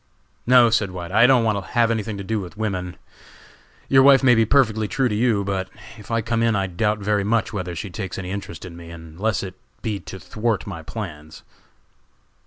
"No," said White, "I don't want to have anything to do with women. Your wife may be perfectly true to you, but if I come in I doubt very much whether she takes any interest in me, unless it be to thwart my plans."